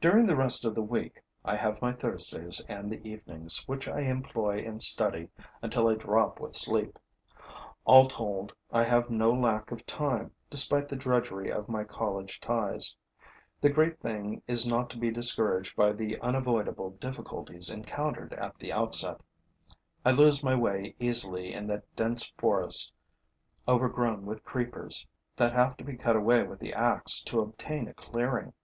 During the rest of the week, I have my Thursdays and the evenings, which I employ in study until I drop with sleep. All told I have no lack of time, despite the drudgery of my college ties. The great thing is not to be discouraged by the unavoidable difficulties encountered at the outset. I lose my way easily in that dense forest overgrown with creepers that have to be cut away with the axe to obtain a clearing.